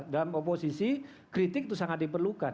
dalam oposisi kritik itu sangat diperlukan